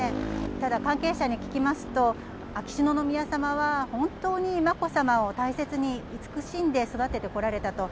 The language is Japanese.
ただ、関係者に聞きますと、秋篠宮さまは、本当にまこさまを大切に慈しんで育ててこられたと。